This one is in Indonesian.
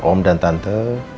sama om dan tante